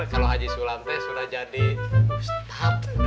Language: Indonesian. kalau haji sulam sudah jadi ustadz